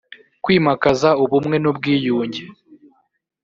kwimakaza ubumwe n ubwiyunge